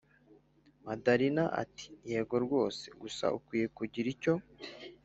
madalina ati”yego rwose gusa ukwiye kugira icyo